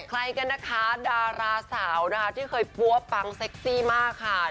ใครกันนะคะดาราสาวนะคะที่เคยปั๊วปังเซ็กซี่มากค่ะ